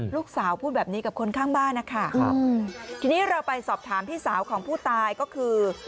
ลูกสาวพูดแบบนี้กับคนข้างบ้านนะคะครับทีนี้เราไปสอบถามพี่สาวของผู้ตายก็คือ